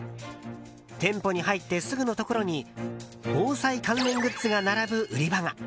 店舗に入ってすぐのところに防災関連グッズが並ぶ売り場が。